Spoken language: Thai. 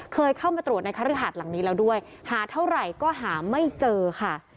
เคยเข้ามาตรวจในคฤหาสหลังนี้แล้วด้วยหาเท่าไหร่ก็หาไม่เจอค่ะ